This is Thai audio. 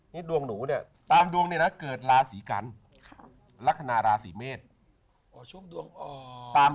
นี่ดวงหนูเนี่ยตามดวงเนี่ยนะเกิดราศีกันลักษณะราศีเมษตาม